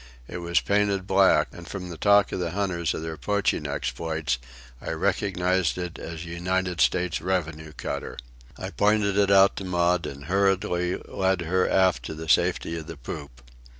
It was painted black, and from the talk of the hunters of their poaching exploits I recognized it as a United States revenue cutter. I pointed it out to Maud and hurriedly led her aft to the safety of the poop.